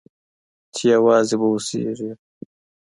چي یوازي به اوسېږې